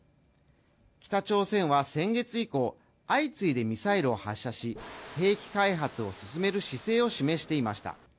北朝鮮は先月以降相次いでミサイルを発射し兵器開発を進める姿勢を示していました